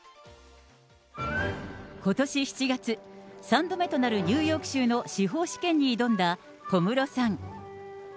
ことし７月、３度目となるニューヨーク州の司法試験に挑んだ小室さん。